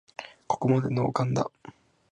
ここまでノーカンだ